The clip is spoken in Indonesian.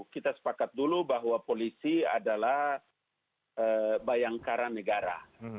kita sepakat dulu bahwa polisi adalah bayangkara negara